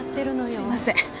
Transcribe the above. すいません。